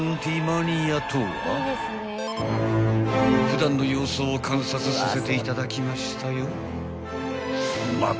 ［普段の様子を観察させていただきましたよ］